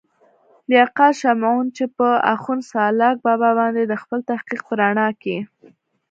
لياقت شمعون، چې پۀ اخون سالاک بابا باندې دَخپل تحقيق پۀ رڼا کښې